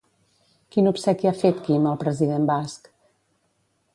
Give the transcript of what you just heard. Quin obsequi ha fet Quim al president basc?